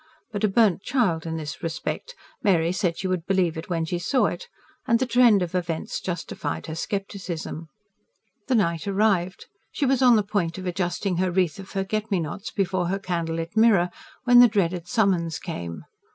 But, a burnt child in this respect, Mary said she would believe it when she saw it; and the trend of events justified her scepticism. The night arrived; she was on the point of adjusting her wreath of forget me nots before her candle lit mirror, when the dreaded summons came.